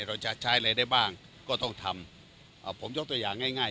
เราจะใช้อะไรได้บ้างก็ต้องทำผมยกตัวอย่างง่ายง่าย